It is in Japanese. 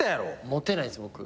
モテないんです僕。